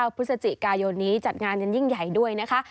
พฤศจิกายนนี้จัดงานกันยิ่งใหญ่ด้วยนะคะ